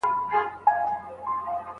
دغه فکر اکثره وخت کومي بدي پايلي لري؟